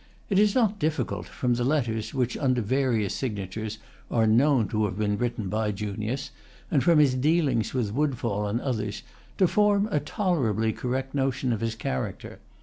It is not difficult, from the letters which, under various signatures, are known to have been written by Junius, and from his dealings with Woodfall and others, to form a tolerably correct notion of his character.